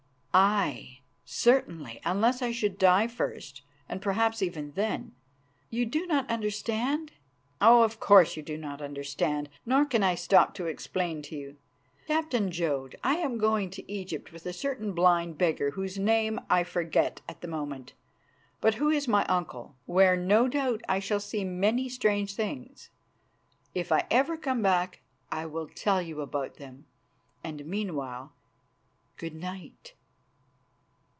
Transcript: "Aye, certainly, unless I should die first, and perhaps even then. You do not understand? Oh! of course you do not understand, nor can I stop to explain to you. Captain Jodd, I am going to Egypt with a certain blind beggar, whose name I forget at the moment, but who is my uncle, where no doubt I shall see many strange things. If ever I come back I will tell you about them, and, meanwhile, good night."